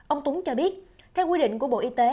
ông tuấn cho biết theo quy định của bộ y tế